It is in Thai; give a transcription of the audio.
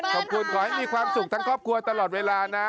ขอให้มีความสุขทั้งครอบครัวตลอดเวลานะ